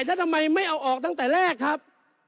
แล้วทำไมไม่เอาออกตั้งแต่แรกครับ